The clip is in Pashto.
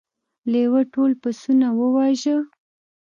لیوه ټول پسونه وواژه.